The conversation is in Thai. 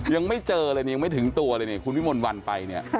ยังไม่เจอเลยยังไม่ถึงตัวเลยคุณพี่มนต์วันไป